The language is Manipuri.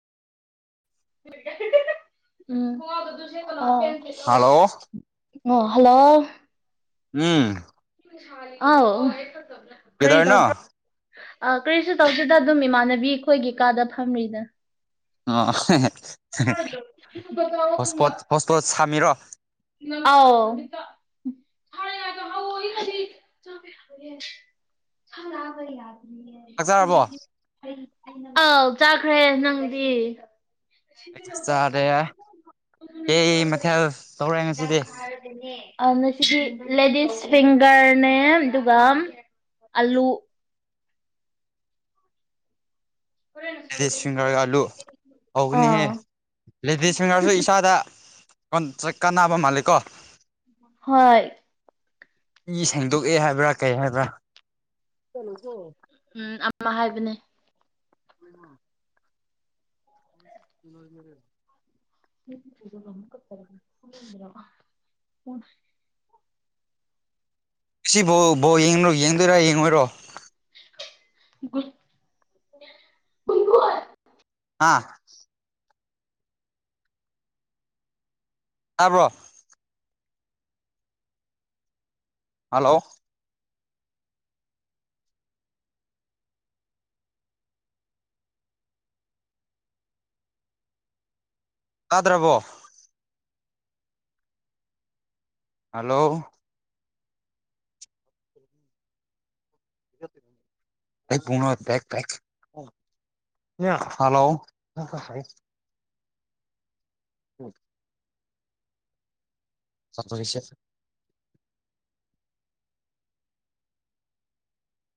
ꯍꯜꯂꯣ [unintelligible] ꯑꯣ ꯍꯜꯂꯣ ꯎꯝ [unintelligible] ꯑꯥꯎ ꯀꯔꯤ ꯀꯩꯗꯧꯔꯤꯅꯣ ꯇꯧꯕ [inaudible] ꯑ ꯀꯔꯤꯁꯨ ꯇꯧꯗ‌ꯦꯗ ꯑꯗꯨꯝ ꯏꯃꯥꯟꯅꯕꯤ ꯈꯣꯏꯒꯤ ꯀꯥꯗ ꯐꯝꯔꯤꯗꯥ ꯑ‌ꯣ ꯍꯣꯁꯄꯣꯠ ꯍꯣꯁꯄꯣꯠ ꯁꯥꯝꯃꯤꯔꯣ ꯑꯥꯎ [unintelligible] [unintelligible] ꯆꯥꯕ ꯌꯥꯔ‌ꯣꯏꯌ‌ꯦ [unintelligible] ꯌꯥꯗꯤꯌ‌ꯦ ꯆꯥꯛ ꯆꯥꯔꯕꯣ [unintelligible] ꯑꯥꯎ ꯆꯥꯈ꯭ꯔꯦ ꯅꯪꯗꯤ ꯑꯩꯁꯨ ꯆꯥꯔꯦ ꯀꯩ [unintelligible] ꯃꯊꯦꯜ ꯇꯧꯔꯦ ꯗꯥꯛ ꯉꯁꯤꯗꯤ ꯇꯥꯔꯕꯅ‌ꯦ ꯑꯝ ꯉꯁꯤꯗꯤ ꯂꯦꯗꯤꯁ ꯐꯤꯡꯒꯔꯅꯦ [unintelligible] ꯑꯗꯨꯒꯝ ꯑꯂꯨ ꯂꯦꯗꯤꯁ ꯐꯤꯡꯒꯔꯒ ꯑꯂꯨ ꯍꯧꯕꯅꯤꯍꯦ ꯑꯥ ꯂꯦꯗꯤꯁ ꯐꯤꯡꯒꯔꯁꯨ ꯏꯁꯥꯗ [unintelligible] ꯀꯥꯟꯅꯕ ꯃꯥꯜꯂꯤꯀꯣ ꯍꯣꯏ ꯏ ꯁꯦꯡꯗꯣꯛꯑꯦ ꯍꯥꯏꯕ꯭ꯔꯥ ꯀꯩ ꯍꯥꯏꯕ꯭ꯔꯥ [unintelligible] ꯎꯝ ꯑꯃ ꯍꯥꯏꯕꯅꯦ [unintelligible] [inaudible] [inaudible] ꯁꯤꯕꯨ ꯕꯣꯜ [unintelligible] ꯌꯦꯡꯗꯣꯏꯔꯥ ꯌꯦꯡꯉꯣꯏꯔꯣ [inaudible] ꯑꯥ ꯇꯥꯕ꯭ꯔꯣ ꯍꯜꯂꯣ ꯇꯥꯗ꯭ꯔꯕꯣ ꯍꯜꯂꯣ [unintelligible] ꯍꯜꯂꯣ [unintelligible] [unintelligible] [unintelligible]